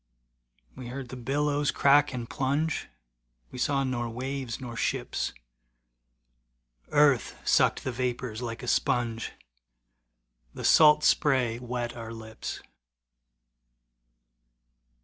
We heard the billows crack and plunge, We saw nor waves nor ships. Earth sucked the vapors like a sponge, The salt spray wet our lips.